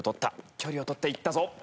距離をとっていったぞ。